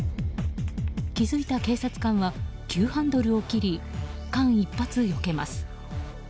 気づいた警察官は急ハンドルを切り間一髪、よけます。